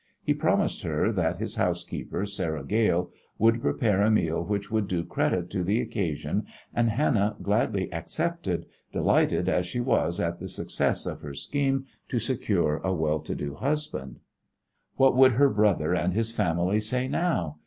He promised her that his housekeeper, Sarah Gale, would prepare a meal which would do credit to the occasion, and Hannah gladly accepted, delighted as she was at the success of her scheme to secure a well to do husband. What would her brother and his family say now?